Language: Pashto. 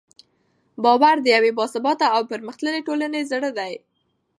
باور د یوې باثباته او پرمختللې ټولنې زړه دی.